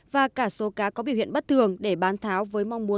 và cả số cá có biểu hiện bất thường để bán thử